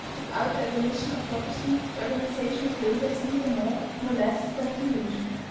Without the abolition of property, the organization of labor is neither more nor less than a delusion.